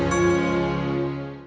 sampai jumpa lagi